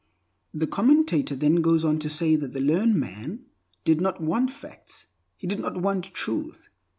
The commentator then goes on to say that the learned man did not want facts; he did not want Truth.